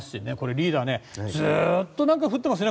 リーダー、ずっと降ってますね